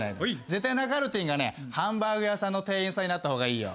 絶対なかるてぃんがねハンバーグ屋さんの店員さんになった方がいいよ。